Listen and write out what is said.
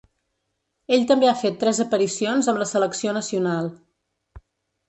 Ell també ha fet tres aparicions amb la selecció nacional.